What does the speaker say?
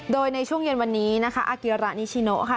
โดยในช่วงเย็นวันนี้นะคะอาเกียระนิชิโนค่ะ